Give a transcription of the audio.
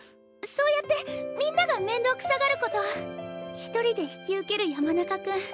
そうやってみんながめんどくさがること１人で引き受ける山中君